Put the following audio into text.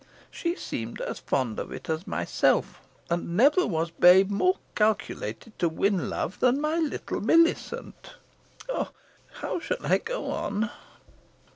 She seemed as fond of it as myself; and never was babe more calculated to win love than my little Millicent. Oh! how shall I go on?